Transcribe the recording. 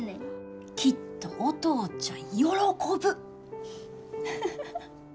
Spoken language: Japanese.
きっとお父ちゃん喜ぶ。